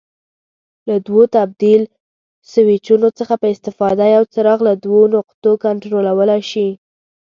له دوو تبدیل سویچونو څخه په استفاده یو څراغ له دوو نقطو کنټرولولای شي.